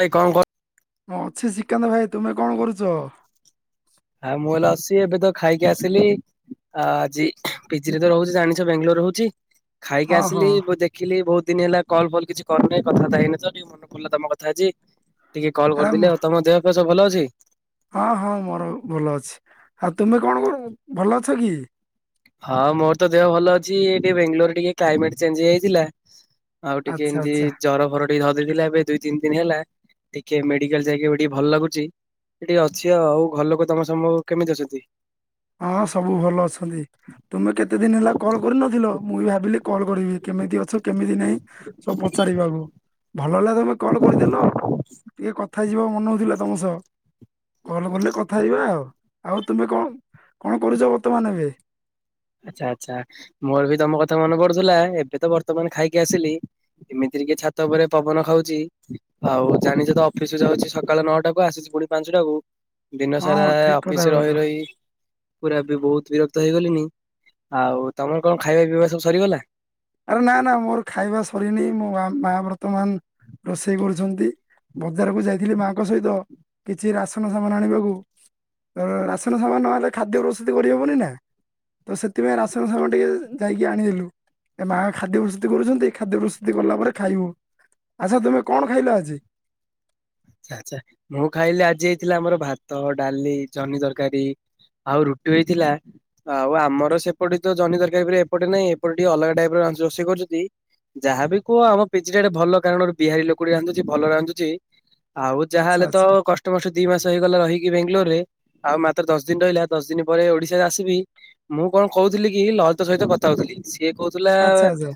ଭାଇ କଣ କର ମୁଁ ଅଛି ଶ୍ରୀକାନ୍ତ ଭାଇ ତୁମେ କଣ କରୁଚ? ଆ ମୋଲ ଅସି ଏବେ ତ ଖାଇକି ଆସିଲି। ଆ ଆଜି ପିଜିରେ ତ ରହୁଚି ଜାଣିଚ ବେଙ୍ଗଲୁର ରହୁଛି ଖାଇକି ହଁ ହଁ ଆସିଲି ବଦେ ଦେଖିଲି ବୋହୁତ ଦିନି ହେଲା କଲ୍ ଫଲ୍ କିଛି କରିନେଇ କଥା ବାର୍ତ୍ତା ହେଇନି ତ ଟିକେ ମନେ ପଡିଲା ତମ କଥା ଆଜି। ଟିକେ କଲ ଆରେ ମୁଁ କରିଦେଲେ ଆଉ ତମ ଦେହ ଫିଅ ସବୁ ଭଲ ଅଛି। ହଁ ହଁ ମୋର ଭଲ ଅଛି ଆଉ ତୁମେ କଣ କରୁ ଭଲ ଅଛ କି? ହଁ ମୋର ତ ଦେହ ଭଲ ଅଛି ଏ ଟିକେ ବେଙ୍ଗଲୋରରେ ଟିକେ କ୍ଲାଇମେଟ୍ ଚେଞ୍ଜ ହେଇଯାଇଥିଲା। ଆଉ ଟିକେ ଆଚ୍ଛା ଏମିତି ଆଚ୍ଛା ଜର ଫର ଧରିଦେଇଥିଲା ଏବେ ଦୁଇ ତିନି ଦିନ ହେଲା ଟିକେ ମେଡିକାଲ ଯାଇକି ଏବେ ଟିକେ ଭଲ ଲାଗୁଚି। ସେ ଟିକେ ଅଛି ଆଉ ଘର ଲୋକ ତମର ସମୁ କେମିତି ଅଛନ୍ତି? ହଁ ସବୁ ଭଲ ଅଛନ୍ତି। ତୁମେ କେତେ ଦିନ ହେଲା କଲ୍ କରିନଥିଲ ମୁଁ ବି ଭାବିଲି କଲ୍ କରିବି କେମିତି ଅଛ କେମିତି ନାହିଁ ସବୁ ପଚାରିବାକୁ ଭଲ ହେଲା ତମେ କଲ କରିଦେଲ। ଟିକେ କଥା ଆଜି ମୋ ମନ ହେଉଥିଲା ତମ ସହ କଲ୍ କଲେ କଥା ହେବା ଆଉ, ଆଉ ତୁମେ କଣ? କଣ କରୁଚ ବର୍ତ୍ତମାନ ଏବେ? ଆଚ୍ଛା ଆଚ୍ଛା ମୋର ବି ତମ କଥା ମନେ ପଡୁଥିଲା ଏବେ ତ ବର୍ତ୍ତମାନ ଖାଇକି ଆସିଲି। ଏମିତିରେ କିଏ ଛାତ ଉପରେ ପବନ ଖାଉଚି। ଆଉ ଜାଣିଚ ତ ଅଫିସ ଯାଉଚି ସକାଳ ନଅଟା କୁ ଆସୁଚି ପୁଣି ପାଞ୍ଚଟା କୁ। ଦିନ ସାରା ହଁ ଠିକ କଥା ଅଫିସ କହିଲ। ରହି ରହି ପୁରା ବି ବହୁତ ବିରକ୍ତ ହେଇଗଲିଣିି। ଆଉ ତମର କଣ ଖାଇବା ପିଇବା ସବୁ ସରିଗଲା? ଆରେ ନା ନା ମୋର ଖାଇବା ସରିନି ମୋ ମା ମା ବର୍ତ୍ତମାନ ରୋଷେଇ କରୁଛନ୍ତି। ବଜାରକୁ ଯାଇଥିଲି ମାଙ୍କ ସହିତ। କିଛି ରାସନ ସାମାନ ଆଣିବାକୁ। ର ରାସନ ସାମାନ ନହେଲେ ଖାଦ୍ୟ ପ୍ରସ୍ତୁତି କରିହବନି ନା। ତ ସେଥିପାଇଁ ରାସଲ ଝର ଟିକେ ଯାଇକି ଆଣିଲୁ। ଏ ମା ଖାଦ୍ୟ ପ୍ରସ୍ତୁତି କରୁଚନ୍ତି। ଖାଦ୍ୟ ପ୍ରସ୍ତୁତି କଲା ପରେ ଖାଇବୁ। ଆଚ୍ଛା ତୁମେ କଣ ଖାଇଲ ଆଜି? ଆଛା ମୁଁ ଖାଇଲି ଆଜି ହେଇଥିଲା ଆମର ଭାତ ଡାଲି ଜହ୍ନୀ ତରକାରୀ। ଆଉ ରୁଟି ବି ହେଇଥିଲା। ଆଉ ଆମର ସେପଟେ ତ ଜହ୍ନି ତରକାରୀ ଏପଟେ ନାହିଁ। ଏପଟେ ଟିକେ ଅଲଗା ଟାଇପ୍ ର ରାନ୍ଧ ରୋଷେଇ କରୁଚନ୍ତି। ଯାହାବି କୁହ ଆମ ପିଜିଟା ଗେ ଭଲ କାରଣ ରୋ ବିହାରୀ ଲୋକ ଟି ରାନ୍ଧୁଚି ଭଲ ରାନ୍ଧୁଚି। ଆଉ ଆଚ୍ଛା ଯାହାହଲେ ତ ଆଚ୍ଛା କଷ୍ଟ ଆଠ ବର୍ଷ ଦି ମାସ ହେଇଗଲା ହେଇକି ବେଙ୍ଗଲୋରରେ ଆଉ ମାତ୍ର ଦଶ ଦିନ ରହିଲା ଦଶ ଦିନ ପରେ ଓଡିଶା ଆସିବି। ମୁଁ କଣ କହୁଥିଲି କି ଲଳିତ ସହିତ କଥା ହଉଥିଲି ସିଏ କହୁଥିଲା ଆଚ୍ଛା ଆଚ୍ଛା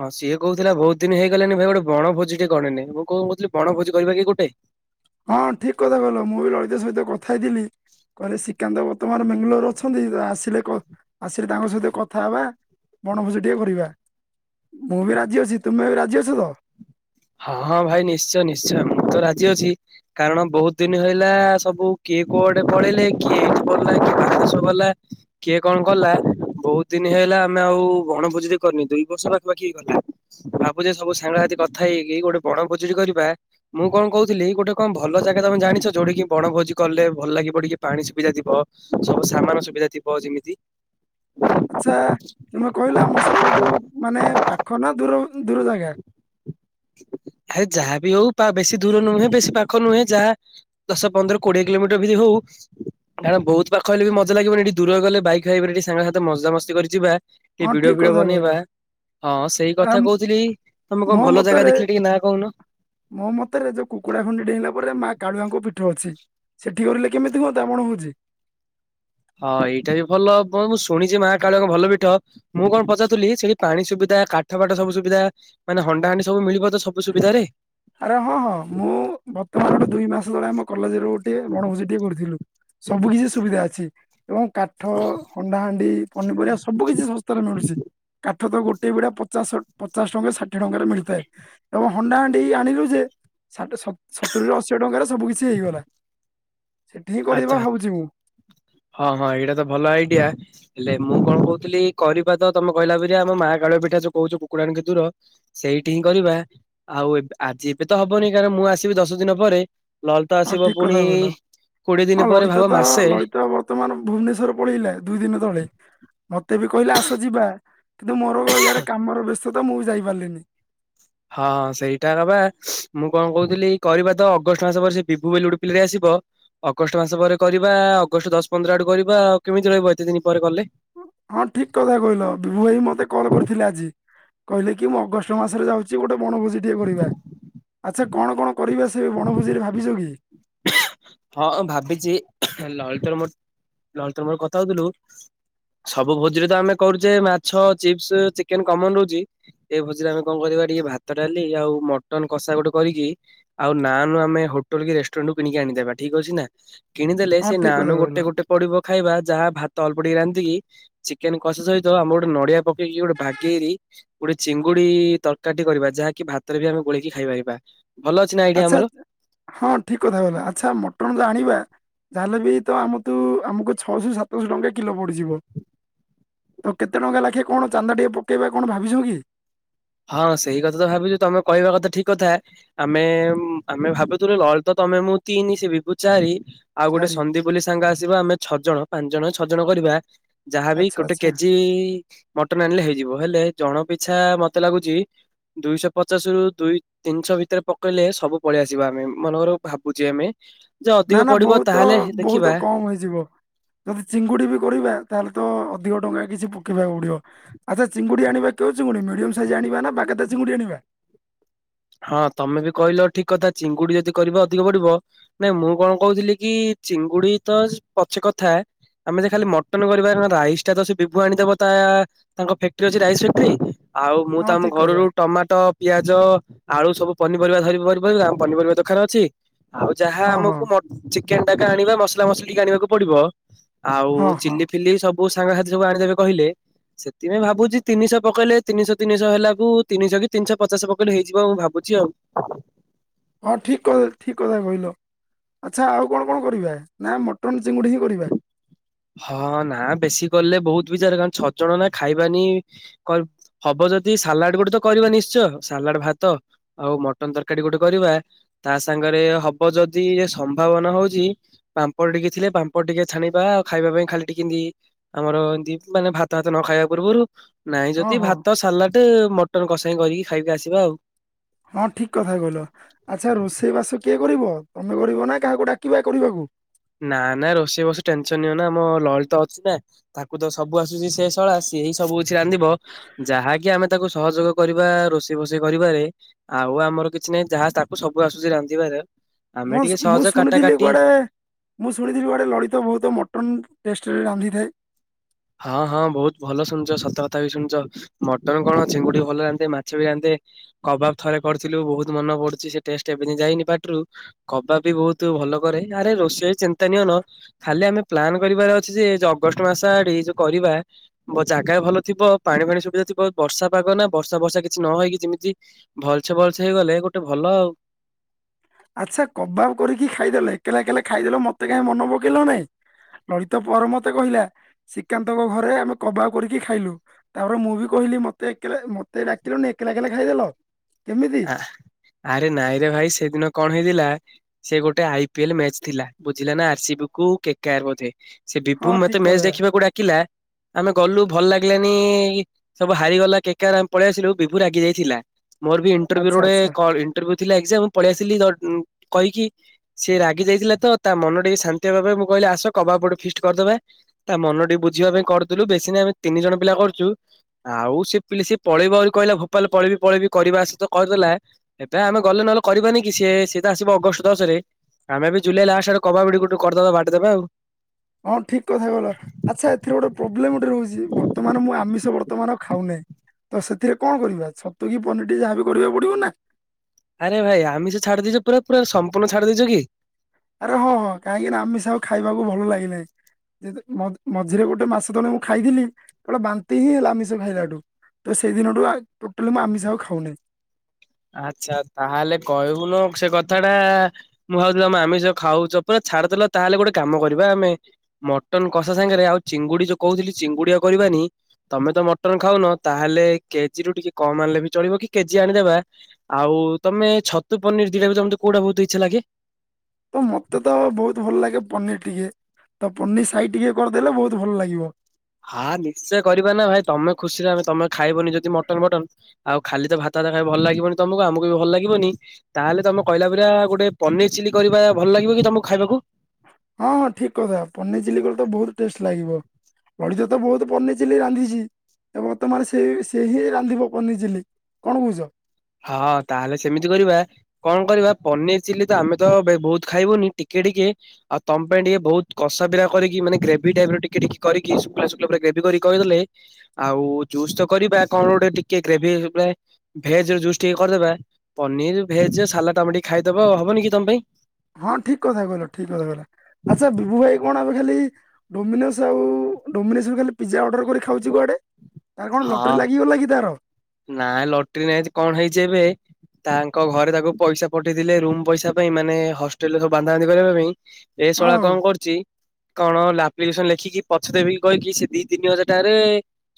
ହଁ ସିଏ କହୁଥିଲା ବହୁତ ଦିନ ହେଇଗଲାଣିି ଭାଇ ଗୋଟେ ବଣ ଭୋଜି ଟେ କରିନେ ମୁଁ କଣ କହୁଥିଲି ବଣ ଭୋଜି କରିବା କି ଏଇ ହଁ ଠିକ୍ କଥା କହିଲ ମୁଁ ବି ଲଳିତ ସହିତ କଥା ହେଇଥିଲି କହିଲେ ଶ୍ରୀକାନ୍ତ ବର୍ତ୍ତମାନ ଆର ବେଙ୍ଗାଲୋର ଅଛନ୍ତି ଆସିଲେ କ ଆସିଲେ ତାଙ୍କ ସହିତ କଥା ହବା। ବଣଭୋଜି ଟିକେ କରିବା ମୁଁ ବି ରାଜି ଅଛି ତୁମେ ବି ରାଜି ଅଛ ତ? ହଁ ହଁ ଭାଇ ନିଶ୍ଚୟ ନିଶ୍ଚୟ ମୁଁ ତ ରାଜି ଅଛି। କାରଣ ବହୁତ ଦିନ ହେଲା ସବୁ କିଏ କୋଆଡେ ପଳେଇଲେ କିଏ ଏଇଠି ପଢିଲା କିଏ ବାହାର ଦେଶ କୁ ଗଲା। କିଏ କଣ କଲା? ବହୁତ ଦିନ ହେଲା ଆମେ ଆଉ ବଣଭୋଜିରେ କରିନି ଦୁଇ ବର୍ଷ ପାଖପାଖି ହୋଇଗଲା। ଭାବୁଚେ ସବୁ ସାଙ୍ଗ ସାଥୀ କଥା ହେଇକି ଗୋଟେ ବଣ ଖୋଜୁରୀ କରିବା। ମୁଁ କଣ କହୁଥିଲି ଗୋଟେ କଣ ଭଲ ଜାଗା ତମେ ଜାଣିଛ ଯୋଉଠିକି ବଣଭୋଜି କଲେ ଭଲ ଲାଗିବ ଟିକେ ପାଣି ସୁବିଧା ଥିବ? ସବୁ ସମାନ ସୁବିଧା ଥିବ ଯେମିତି। ଆଚ୍ଛା। ତମେ କହିଲ ଆମ ସହରଠୁ ମାନେ ପାଖ ନା ଦୂର ଦୂର ଜାଗା। ଆରେ ଯାହା ବି ହଉ ବେଶୀ ଦୂର ନୁହେଁ ବେଶୀ ପାଖ ନୁହେଁ ଯାହା ଦଶ, ପନ୍ଦର, କୋଡ଼ିଏ କିଲୋମିଟର ଭି ଯଦି ହଉ। କାରଣ ବହୁତ ପାଖ ହେଲେ ବି ମଜା ଲାଗିବନି ଏଠି ଦୂର ଗଲେ ବାଇକ ଫାଇକ ରେ ଟିକେ ସାଙ୍ଗସାଥି ମଜାମସ୍ତି କରିିକି ଯିବା। ଟିକିଏ ହଁ ଭିଡ଼ିଓ ଠିକ ଫିଡଓ କଥା ବନେଇବା କହିଲ ହଁ ସେଇ ଆ କଥା କହୁଥିଲି ତମେ କଣ ମୋ ଭଲ ଜାଗା ମତରେ ଦେଖିଲେ ଟିକେ ନାଁ କହୁନ? ମୋ ମତରେ ଯୋଉ କୁକୁଡ଼ାଖୁଣ୍ଡି ଡେଇଁଲା ପରେ ମାଆ କାଳୁଆଙ୍କ ପୀଠ ଅଛି। ସେଠି କରିଲେ କେମିତି ହୁଅନ୍ତା ବଣଭୋଜୀ। ହଁ! ଏଇଟା ବି ଭଲ ମୁଁ ଶୁଣିଛି ମା କାଳୁଆଙ୍କ ଭଲ ପୀଠ। ମୁଁ କଣ ପଚାରୁଥିଲି ସେଠି ପାଣି ସୁବିଧା କାଠ ପାଠ ସବୁ ସୁବିଧା ମାନେ ହଣ୍ଡା ହଣ୍ଡି ସବୁ ମିଳିବ ତ ସବୁ ସୁବିଧାରେ। ଆରେ ହଁ ହଁ ମୁଁ ବର୍ତ୍ତମାନ ଗୋଟେ ଦୁଇ ମାସ ତଳେ ଆମ କଲେଜ ର ଗୋଟିଏ ବଣଭୋଜ ଟିଏ କରିଥିଲୁ ସବୁ କିଛି ସୁବିଧା ଅଛି। ଏବଂ କାଠ ହଣ୍ଡାହାଣ୍ଡି ପନିପରିବା ସବୁ କିଛି ଶସ୍ତାରେ ମିଳୁଛି। କା କାଠ ତ ଗୋଟେ ବିଡା ପଚାଶ ପଚାଶ ଟଙ୍କାରୁ ଷାଠିଏ ଟଙ୍କାରେ ମିଳିଥାଏ। ଏବଂ ହଣ୍ଡା ହାଣ୍ଡି ଏଇ ଆଣିଲୁ ଯେ [unintelligible] ସତୁରିରୁ ଅଶି ଟଙ୍କାରେ ସବୁ କିିଛି ହେଇଗଲା। ସେଠି ହିଁ କରିବା ଆଚ୍ଛା। ଭାବୁଛି ମୁଁ। ହଁ ହଁ ଏଇଟା ତ ଭଲ ଆଇଡିଆ। ହେଲେ ମୁଁ କଣ କହୁଥିଲି କରିବା ତ ତମେ କହିଲା ପରିକା ଆମ ମା କାଳୁଆଙ୍କ ପିଠ ଯୋଉ କହୁଛ କୁକୁଡ଼ାଣି କେତେ ଦୂର ସେଇଠି ହିଁ କରିବା ଆଉ ଏବେ ଆଜି ଏବେ ତ ହବନି କାରଣ ମୁଁ ଆସିବି ଦଶ ଦିନ ପରେ ଲଳିତ ହଁ ଆସିବ ଠିକ କଥା ପୁଣି କହିଲ କୋଡିଏ ଦିନ ହଁ ପରେ ଭାବ ଲଳିତ ତ ମାସେ ଲଳିତ ବର୍ତ୍ତମାନ ଭୁବନେଶ୍ଵର ପଳେଇଲା ଦୁଇ ଦିନ ତଳେ ମତେ ବି କହିଲେ ଆସ ଯିବା କିନ୍ତୁ ମୋର ଇଆଡେ କାମର ବ୍ୟସ୍ତତା ମୁଁ ବି ଯାଇପାରିଲିନି। ହଁ! ସେଇଟା ବା। ମୁଁ କଣ କହୁଥିଲି କରିବା ତ ଅଗଷ୍ଟ ମାସ ପରେ ସେ ବିଭୁ ବୋଲି ଗୋଟେ ପିଲାଟେ ଆସିବ ଅଗଷ୍ଟ ମାସ ପରେ କରିବା ଅଗଷ୍ଟ ଦଶ ପନ୍ଦର ଆଡକୁ କରିବା ଆଉ କେମିତି ରହିବ ଏତେ ଦିନ ପରେ କଲେ? ହଁ ଠିକ କଥା କହିଲ ବିଭୁ ଭାଇ ମତେ କଲ କରିଥିଲେ ଆଜି କହିଲେ କି ମୁଁ ଅଗଷ୍ଟ ମାସରେ ଯାଉଛି। ସେ ଗୋଟେ ବଣଭୋଜି ଟିଏ କରିବା ଆଚ୍ଛା କଣ କଣ କରିବା ସେ ବଣଭୋଜିରେ ଭାବିଛ କି? ହଁଁ ଭାବିଛି ଲଳିତର ମୋର ଲଳିତର ମୋର କଥା ହଉଥିଲୁ ସବୁ ଭୋଜିରେ ତ ଆମେ କରୁଛେ ମାଛ ଚିପ୍ସ ଚିକେନ କମନ ରହୁଛି ଏଇ ଭୋଜିରେ ଆମେ କଣ କରିବା ଟିକେ ଭାତ ଡାଲି ଆଉ ମଟନ କଷା ଗୋଟେ କରିକି ଆଉ ନାଁନ ଆମେ ହୋଟେଲ କି ରେଷ୍ଟୁରାଣ୍ଟ ରୁ କିଣିକି ଆଣିଦେବା। ଠିକ ଅଛି ନା କିଣିଦେଲେ ହଁ ସେ ଠିକ ନାଁନ୍ କଥା କହିଲ ଗୋଟେ ଗୋଟେ ପଡିବ ଖାଇବା ଯାହା ଭାତ ଅଳ୍ପ ଟିକେ ରାନ୍ଧିକି ଚିକେନ୍ କଷା ସହିତ ଆମେ ଗୋଟେ ନଡିଆ ପକେଇକି ଗୋଟେ ବାଗେଇ ରି ଗୋଟେ ଚିଙ୍ଗୁଡି ତରକାରୀ ଟେ କରିବା ଯାହାକି ଭାତରେ ବି ଆମେ ଗୋଳେଇକି ଖାଇ ପାରିବା। ଆଚ୍ଛା! ହଁ ଠିକ କଥା କହିଲ ଆଚ୍ଛା ମଟନ ଯୋଉ ଆଣିବା ଯାହେଲେ ବି ତ ଆମ ଠୁ ଆମକୁ ଛଅଶହ ସାତଶହ ଟଙ୍କା କିଲୋ ପଡିଯିବ। ତ କେତେ ଟଙ୍କା ଲାଖେ କଣ ଚାନ୍ଦା ଟିକେ ପକେଇବା କଣ ଭାବିଛ କି? ହଁ ସେଇ କଥା ତ ଭାବିଛୁ ତମେ କହିବା କଥା ଠିକ କଥା ଆମେ ଆମେ ଭାବୁଥିଲୁ ଲଳିତ ତମେ ମୁଁ ତିନ୍ ସେ ବିଭୁ ଚାରି। ଆଉ ଗୋଟେ ଚାରି ସନ୍ଦୀପ ବୋଲି ସାଙ୍ଗ ଆସିବ ଆମେ ଛଅ ଜଣ ପାଞ୍ଚ ଜଣ ଛଅ ଜଣ କରିବା ଯାହାଭି ଆଚ୍ଛା ଗୋଟେ ଆଚ୍ଛା କେଜି ମଟନ ଆଣିଲେ ହେଇଯିବ ହେଲେ ଜଣ ପିଛା ମତେ ଲାଗୁଚି ଦୁଇଶହ ପଚାଶରୁ ଦୁଇ ତିନିଶହ ଭିତରେ ପକେଇଲେ ସବୁ ପଳେଇଆସିବା ଆମେ ମନେ କର ଭାବୁଛେ ଆମେ। ଯେ ନା! ଅଧିକ ନା! ପଡିବ ବୋହୁତ ତାହେଲେ ବୋହୁତ ଦେଖିବା କମ ହେଇଯିବ। ଯଦି ଚିଙ୍ଗୁଡି ବି କରିବା ତାହେଲେ ତ ଅଧିକ ଟଙ୍କା କିଛି ପକେଇବାକୁ ପଡିବ। ଆଛା ଚିଙ୍ଗୁଡି ଆିଣବା କେଉ ଚିଙ୍ଗୁଡି ମିଡିୟମ ସାଇଜ୍ ଆଣିବା ନା ବାଗଦା ଚିଙ୍ଗୁଡି ଆଣିବା? ହଁ ତମେ ବି କହିଲ ଠିକ କଥା ଚିଙ୍ଗୁଡି ଯଦି କରିବ ଅଧିକ ପଡିବ ନାଇଁ ମୁଁ କଣ କହୁଥିଲି କି ଚିଙ୍ଗୁଡି ତ ପଛେ କଥା ଆମେ ଯଦି ଖାଲି ମଟନ କରିବା ତ ରାଇସ ଟା ତ ସେ ବିିଭୁ ଆଣିଦବ ତା ତାଙ୍କ ଫ୍ୟାକ୍ଟ୍ରି ଅଛି ରାଇସ ଫ୍ୟାକ୍ଟ୍ରି ଆଉ ମୁଁ ହଁ ତ ଆମ ଠିକ କଥା ଘରରୁ ଟମାଟୋ ପିଆଜ ଆଳୁ ସବୁ ପନିପରିବା ଧରି ପନିପରିବା ଦୋକାନ ଅଛି। ଆଉ ଯାହା ହଁ ହଁ ଆମକୁ ମଟ ଚିକେନ ଟାକା ଆଣିବା ମସଲା ମସଲି ଆଣିବାକୁ ପଡିବ ଆଉ ହଁ ହଁ ଚିଲି ଫିଲି ସବୁ କୋଉ ସାଙ୍ଗ ସାଥି ସବୁ ଆଣିଦେବେ କହିଲେ। ସେଥିପାଇଁ ଭାବଛି ତିନିଶହ ପକେଇଲେ ତିନିଶ ତିନିଶହ ହେଲାକୁ। ତିନିଶ କି ତିନିଶହ ପଚଶ ପକେଇଲେ ହେଇ ଯିବ ମୁଁ ଭାବୁଛି ଆଉ। ହଁ ଠିକ୍ କ ଠିକ କଥା କହିଲ। ଆଚ୍ଛା ଆଉ କଣ କଣ କରିବା ନା ମଟନ୍ ଚିଙ୍ଗୁଡ଼ି ହିଁ କରିବା। ହଁ ନା ବେଶୀ କଲେ ବୋହୁତ ବିଜାର। କହିଁକି ନା ଛଅ ଜଣ ନା ଖାଇବାନି। ହବ ଯଦି ସାଲାଡ ଗୋଟେ ତ କରିବା ନିଶ୍ଚୟ। ସାଲାଡ ଭାତ। ଆଉ ମଟନ ତରକାରୀ ଗୋଟେ କରିବା। ତା ସାଙ୍ଗରେ ହବ ଯଦି ସମ୍ଭାବନା ହଉଛି ପାମ୍ପଡ଼ ଟିକେ ଥିଲେ ପାମ୍ପ ଟିକେ ଛାଣିବା ଖାଇବା ପାଇଁ ଖାଲି ଟିକେନି ଏମିତି ଆମର ଏମିତି ମାନେ ଭାତ ଭାତ ନ ଖାଇବା ପୂର୍ବରୁ ନାଇଁ ହଁ ଯଦି ହଁ ଭାତ, ସାଲାଡ, ମଟନ କସା ହିଁ କରିକି ଖାଇକି ଆସିବା ଆଉ। ହଁ ଠିକ କଥା କହିଲ। ଆଚ୍ଛା ରୋଷେଇ ବାସ କିଏ କରିବ? ତମେ କରିବ ନା କାହାକୁ ଡାକିବା କରିବାକୁ? ନା ନା ରୋଷେଇ ବୋସେଇ ଟେନସନ ନିଅ ନା ଆମ ଲଳିତ ଅଛି ନା। ତାକୁ ତ ସବୁ ଆସୁଛି ସେ ସଳା ସିଏ ହଁ ସବୁ କିଛି ରାନ୍ଧିବ। ଯାହାକି ଆମେ ତାକୁ ସହଯୋଗ କରିବା ରୋଷେଇ ବୋଷେଇ କରିବାରେ। ଆଉ ଆମର କିଛି ନାହିଁ। ଯାହା ତାକୁ ସବୁ ଆସୁଛି ରାନ୍ଧିବାରେ। ମୁଁ ମୁଁ ଶୁଣିଥିଲି କୁଆଡେ ମୁଁ ଶୁଣିଥିଲି କୁଆଡ଼େ ଲଳିତ ବହୁତ ମଟନ୍ ଟେଷ୍ଟରେ ରାନ୍ଧିଥାଏ। ହଁ ହଁ ବହୁତ ଭଲ ଶୁଣିଛ। ସତକଥା ବି ଶୁଣିଛ। ମଟନ କଣ ଛିଙ୍ଗୁଡି ଭଲ ରାନ୍ଧେ, ମାଛ ବି ରାନ୍ଧେ। କବାବ ଥରେ କରିଥିଲୁ। ବହୁତ ମନେ ପଡୁଛି ସେ ଟେଷ୍ଟ ଏବେତି ଯାଇନି ପାଟରୁ। କବାବ ବି ବହୁତ ଭଲ କରେ। ଆରେ ରୋଷେଇ ଚିନ୍ତା ନିଅନ। ଖାଲି ଆମେ ପ୍ଲନ୍ କରିବାର ଅଛି। ଯେ ଅଗଷ୍ଟ ମାସ ଆଡେ ଯୋଉ କରିବା। ଜାଗା ଭଲ ଥିବ ପାଣି ପାଣି ସୁବିଧା ଥିବ। ବର୍ଷା ପାଗ ନା ବର୍ଷା ବର୍ଷା କିଛି ନହଇକି ଯେମିତି ଭଲସେ ଭଲସେ ହେଇଗଲେ। ଗୋଟେ ଭଲ ଆଉ ଆଚ୍ଛା କବାବ କରିକି ଖାଇଦେଲ। ଏକଲା ଏକଲା ଖାଇଦେଲ ମତେ କାହିଁ ମନ ପକେଇଲ ନାଇଁ। ଲଳିତା ପରେ ମତେ କହିଲା। ଶ୍ରୀକାନ୍ତଙ୍କ ଘରେ ଆମେ କବାଵ କରିକି ଖାଇଲୁ। ତାପରେ ମୁଁ ବି କହିଲି। ମତେ ଏକଲା ମତେ ଡାକିଲନି ଏକଲା ଏକଲା ଖାଇଦେଲ କେମିତି। ଆଉ ଆରେ ନାଇଁରେ ଭାଇ ସେଦିନ କଣ ହେଇଥିଲା। ସେ ଗୋଟେ ଆଇ ପିଏଲ ମେଚ ଥିଲା। ବୁଝିଲା ନା ଆର ସି ବି କୁ କେ କେ ଆର ବୋଧେ। ସେ ହଁ ବିଭୁ ମତେ ଠିକ ମେଚ କଥା ଦେଖିବାକୁ ଡାକିଲା। ଆମେ ଗଲୁ ଭଲ ଲାଗିଲାନି। ସବୁ ହାରିଗଲା କେ କେ ଆର। ଆମେ ପଳେଇ ଆସିଲୁ ବିଭୁ ରାଗି ଯାଇଥିଲା। ମୋର ବି ଆଚ୍ଛା ଇଣ୍ଟରଭ୍ୟୁ ରେ ଆଚ୍ଛା ଇଣ୍ଟରଭ୍ୟୁ ଥିଲା ଏଗ୍ଜାମ। ପଳେଇ ଆସିଲି କହିକି। ସିଏ ରାଗି ଯାଇଥିଲେ ତ। ତା ମନ ଟିକେ ଶାନ୍ତି ହବା ମୁଁ କହିଲି ଆସ କବାଵ ଟିକେ ଫିକସ କରିଦବା। ତା ମନ ଟିକେ ବୁଝିବା ପାଇଁ କରିଥିଲୁ। ବେଶୀ ନ ଆମେ ତିନି ଜଣ ପିଲା କରିଛୁ। ଆଉ ସେ ପିଲି ସେ ପଳେଇ ଆ ବୋଲି କହିଲା। ଭୋପାଲ ପଳେଇି ପଳେଇବି କରିବା ଆସତ। କରିଦେଲା ଏବେ ଆମେ ଗଲେ ନହଲେ କରିବାନି କି। ସିଏ ସିଏ ତ ଆସିବ ଅଗଷ୍ଟ ଦଶ ରେ। ଆମେ ବି ଜୁଲାଇ ଲାଷ୍ଟ ରେ କବାବ ଗୋଟେ କରିଦବା। ବାଣ୍ଟିଦବା ଆଉ। ହଁ ଠିକ୍ କଥା ଗଲା। ଆଚ୍ଛା ଏଥିରେ ଗୋଟେ ପ୍ରୋବ୍ଲେମ ଗୋଟେ ରହୁଛି। ବର୍ତ୍ତମାନ ମୁଁ ଆମିଷ ବର୍ତ୍ତମାନ ଆଉ ଖାଉ ନାହିଁ। ତ ସେଥିରେ କଣ କରିବା। ଛତୁ କିି ପନିର ଟେ ଯାହାବି କରିବାକୁ ପଡିବ ନା। ଆରେ ଭାଇ ଆମିଷ ଛାଡି ଦେଇଛ। ପୁରା ସମ୍ପୂଣ୍ଣ ଛାଡି ଦେଇଛ କି? ଆରେ ହଁ ହଁ କାହିଁକି ନା ଆମିଷ ଆଉ ଖାଇବାକୁ ଭଲ ଲାଗିନାହିଁ। ମଝିରେ ଗୋଟେ ମାସ ତଳେ ମୁଁ ଖାଇଥିଲି। ଗୋଟେ ବାନ୍ତି ହେଇଗଲା ଆମିଷ ଖାଇଲାଠୁ। ତ ସେଇଦିନଠୁ ଟୋଟାଲି ମୁଁ ଆମିଷ ଆଉ ଖାଉନାହିଁ। ଆଚ୍ଛା ତାହେଲେ କହିବୁନ ସେ କଥା ଟା। ମୁଁ ଭାବୁଥିଲିମ ଆମେ ଯ ଖାଉଛ। ପୁରା ଛାଡିଦେଲ ତାହେଲେ ଗୋଟେ କାମ କରିବା ଆମେ ମଟନ କଷା ସାଙ୍ଗରେ ଆଉ ଚିଙ୍ଗୁଡି ଯୋଉ କହୁଥିଲି। ଚିଙ୍ଗୁଡି ଆଉ କରିବାନି। ତମେ ତ ମଟନ ଖାଉନ ତାହେଲେ କେଜି ରୁ ଟିକେ କମ ଆଣିଲେ ବି ଚଳିବ କି କେଜି ଆଣିଦବା। ଆଉ ତମେ ଛତୁ ପନିର ଦିଟା ଭିତରୁ ତମକୁ ଟିକେ କୋଉଟା ବହୁତ ଇଚ୍ଛା ଲାଗେ? ତ ମତେ ତ ବହୁତ ଭଲ ଲାଗେ ପନିର ଟିକେ ତ ପନିର ସାହି ଟିକେ କରିଦେଲେ ବହୁତ ଭଲ ଲାଗିବ। ହା ନିଶ୍ଚୟ କରିବା ନା ଭାଇ ତମେ ଖୁସିରେ ଆମେ ତମେ ଖାଇବନି ଯଦି ମଟନ ଫଟନ। ଆଉ ଖାଲି ତ ଭାତଫାତ ଖାଇବାକୁ ଭଲ ଲାଗିବନି ତମକୁ ଆମକୁ ବି ଭଲ ଲାଗିବନି। ତାହେଲେ ତମେ କହିଲା ପରା ଗୋଟେ ପନିର ଚିଲି କରିବା ଭଲ ଲାଗିବ କି ତମକୁ ଖାଇବାକୁ? ହଁ ହଁ ଠିକ୍ କଥା ପନିର ଚିଲି କଲେ ତ ବହୁତ ଟେଷ୍ଟ ଲାଗିବ। ପଡିଚେ ତ ବହୁତ ପନିର ଚିଲି ରାନ୍ଧିଛି। ଏ ବର୍ତ୍ତମାନ ସେ ସେ ହିଁ ରାନ୍ଧିବ ପନିର ଚିଲି କଣ କହୁଛ? ହଁ ତାହେଲେ ସେମିତି କରିବା। କଣ କରିବା ପନିର ଚିଲି ତ ଆମେ ତ ବେ ବହୁତ ଖାଇବୁନି ଟିକେ ଟିକେ। ଆଉ ତମ ପାଇଁ ଟିକେ ଭଉତ କଷା ବିରା କରିକ ମାନେ ଗ୍ରେଭି ଟାଇପର ଟିକେ ଟିକେ କରିକି ଶୁକିଲ। ଶୁକିଲା ପୁରା ଗ୍ରେଭିକରିକି କହିବାକୁ ଗଲେ। ଆଉ ଜୁସ୍ ତ କରିବା କଣ ଗୋଟେ ଟିକେ ଗ୍ରେଭି ଉପରେ ଭେଜ୍ ଜିଅ ଜୁସ୍ ଟିକେ କରିଦେବା ପନିର ଭେଜ ସାଲାଡ ଆମେ ଟିକେ ଖାଇଦବା ହବନି କି ତମ ପାଇଁ? ହଁ ଠିକ୍ କଥା କହିଲ ଠିକ୍‌ କଥା କହିଲା ଆଚ୍ଛା ବିଭୁ ଭାଇ କଣ ଆମେ ଖାଲି ଡୋମିନୋସ୍ ଆଉ ଡୋମିନୋସସ୍‌ ର ଖାଲି ପିଜା ଅର୍ର କରି ଖାଉଛି କୁଆଡେ। ତାର କଣ ଲଟରୀ ଲାଗିଗଲା କି ତାର? ନାଁ ଲଟିରୀ ନାଇଁଜି କଣ ହେଇଛି ଏବେ? ତାଙ୍କ ଘରେ ତାକୁ ପଇସା ପଠେଇଥିଲେ ରୁମ୍ ପଇସା ପାଇଁ। ମାନେ ହଷ୍ଟେଲରେ ସବୁ ବାନ୍ଧା ବାନ୍ଧି କରିବା ପାଇଁ ଏ ହଁ ଶଳା କଣ କରୁଚି? କଣ ଲା ପ୍ଲି କେସନ ଲେଖିକି ପଛେ ଦେବି କହିକି ସେ ଦି ତିନି ହଜାର ଟଙ୍କାରେ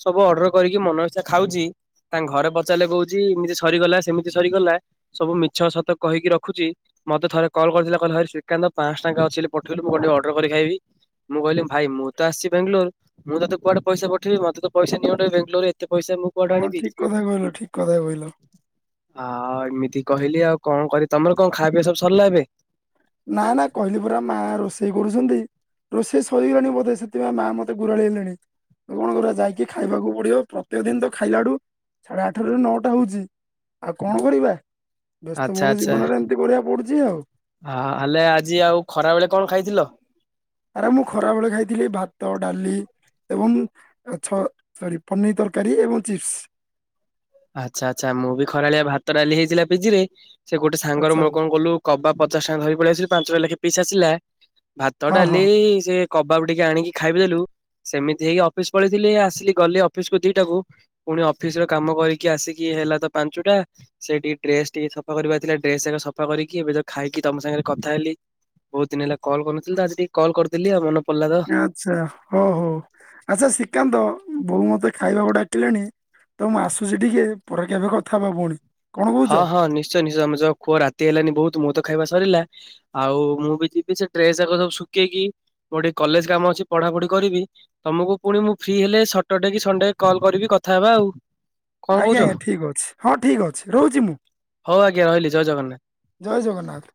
ସବୁ ଅଡ୍ରର କରିକି ମନ ଇଛା ଖାଉଚି ତାଙ୍କ ଘରେ ପଚାରିଲେ କହୁଚି ଏମିତି ସରିଗଲା ସେମିତି ସରିଗଲା ସବୁ ମିଛ ସତ କହିକି ରଖୁଚି। ମତେ ଥରେ କଲ୍ କରିଥିଲା କହିଲା ହଇରେ ଶ୍ରୀକାନ୍ତ ପାଆଁଶ ଟଙ୍କା ଅଛି ବୋଲି ପଠେଇଲୁ ମୁଁ କଣ ଟିକେ ଅଡ୍ରର କରିକି ଖାଇବି। ମୁଁ କହିଲି ଭାଇ ମୁଁ ତ ଆସିଚି ବ୍ୟାଙ୍ଗଲୋର। ମୁଁ ତତେ କୁଆଡେ ପଇସା ପଠେଇବି ମତେ ତ ପଇସା ନିଅଣ୍ଟ ଏଇ ବ୍ୟାଙ୍ଗଲୋରେ ଏତେ ପଇସା ମୁଁ କୁଆଡୁ ହଁ ଆଣିବି ଠିକ କଥା କହିଲ ଠିକ କଥା କହିଲ। ହା ଏମିତି କହିଲି ଆଉ କଣ କରିବି ତମର କଁ ଖାଇବା ପିଇବା ସବୁ ସରିଲା ଏବେ? ନା ନା କହିଲି ପରା ମା ରୋଷେଇ କରୁଛନ୍ତି। ରୋଷେଇ ସରିଗଲାଣି ବୋଧେ ସେଥିପାଇଁ ମା ମତେ ଗୁରାଳି ହେଲେଣି ତ କଣ କରିବା ଯାଇକି ଖାଇବାକୁ ପଡିବ। ପ୍ରତ୍ୟେକ ଦିନ ତ ଖାଇଲାଠୁ ସାଢ଼େ ଆଠାରୁ ନଅଟା ହୋଉଛି ଆଉ କଣ କରିବା? ବ୍ୟସ୍ତ ବହୁଳ ଜୀବନରେ ଏମିତି କରିଆକୁ ପଡୁଛି ଆଉ। ହା ହେଲେ ଆଜି ଆଉ ଖରା ବେଳେ କଣ ଖାଇଥିଲ? ଆରେ ମୁଁ ଖରାବେେଳେ ଖାଇଥିଲି ଭାତ ଡାଲି ଏବଂ ଛ ସରି ପନିର ତରକାରୀ ଏବଂ ଚିପ୍ସ୍। ଆଚ୍ଛା ଆଚ୍ଛା ମୁଁ ବି ଖରାବଳିଆ ଭାତ ଡାଲି ହେଇଥିଲା ପିଜିରେ ସେ ଗୋଟେ ସାଙ୍ଗର ଆଚ୍ଛା ମୋର କଣ କଲୁ କବାଜ୍‌ ପଚାଶ ଟଙ୍କା ଧରି ପଳେଇ ଆସିଲି ପାଞ୍ଚଟା ଟଙ୍କା ଲେଖେ ପିସ୍ ଆସିଲା ଭାତ ହଁ ହଁ ଡାଲି ସେ କବାବ ଟିକେ ଆଣିକି ଖାଇବି ଦେଲୁ ସେମିତି ହେଇକି ଅଫିସ ପଳେଇଥିଲି ଆସିଲି ଗଲି ଅଫିସକୁ ଦିଟାକୁ ପୁଣି ଅଫିସ ର କାମ କରିକି ଆସିକି ହେଲା ତ ପାଞ୍ଚୁଟା। ସେ ଟିକେ ଡ୍ରେସ୍‌ ଟିକେ ସଫା କରିବାର ଥିଲା ଡ୍ରେସ ଯାକ ସଫା କରିକି। ଏବେ ତ ଖାଇକି ତମ ସାଙ୍ଗେରେ କଥା ହେଲି। ବହୁତ ଦିନ ହେଲା କଲ୍ କରିନଥିଲ ତ ଆଜି ଟିକେ କଲ୍ କରି ବୋଲି ମନ ପଡିଲା ତ ଆଚ୍ଛା ହଉ ହଉ ଆଚ୍ଛା ଶ୍ରୀକାନ୍ତ ବୋଉ ମତେ ଖାଇବାକୁ ଡାକିଲାଣି। ତ ମୁଁ ଆସୁଛି ଟିକେ ପରେ ଏବେ କଥା ହେବା ପୁଣି। କଣ କହୁଛ? ହଁ ହଁ ନିଶ୍ଚୟ ନିଶ୍ଚୟ ତମେ ଯାଅ ଖୁଅ ରାତି ହେଲାନି ବୋହୁତ ମୁଁ ତ ଖାଇବା ସରିଲା। ଆଉ ମୁଁ ବି ଯିବି ସେ ଡ୍ରେସ୍ ଯାଙ୍କ ସବୁ ଶୁଖେଇକି ମୋର ଟିକେ କଲେଜ କାମ ଅଛି ପଢାପଢି କରିବି। ତମକୁ ପୁଣି ମୁଁ ଫ୍ରି ହେଲେ ସଟର ଡେ କି ସଣ୍ଡେ କଲ୍ କରିବି କଥା ହବା ଆଉ। କଣ ଆଜ୍ଞା କହୁଛ ଆଜ୍ଞା ଠିକ୍ ଅଛି ହଁ ଠିକ୍ ଅଛି ରହୁଛି ମୁଁ। ହଉ ଆଜ୍ଞା ରହିଲି ଜୟ ଜଗନ୍ନାଥ। ଜୟ ଜଗନ୍ନାଥ।